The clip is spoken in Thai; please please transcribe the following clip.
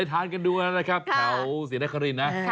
ไปทานกันดูกันนะครับแถวเศรษฐกรินนะ